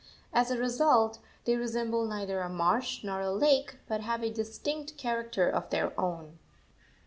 As a result, they resemble neither a marsh nor a lake, but have a distinct character of their own.